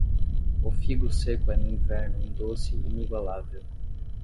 O figo seco é no inverno um doce inigualável.